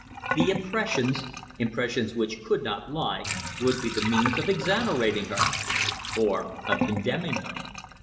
The impressions impressions which could not lie would be the means of exonerating her or of condemning her.